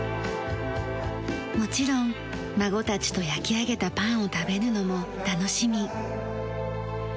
もちろん孫たちと焼き上げたパンを食べるのも楽しみ。